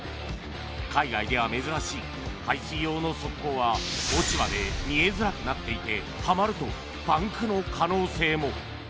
海外では珍しい排水用の側溝は落ち葉で見えづらくなっていてはまるとパンクの可能性も。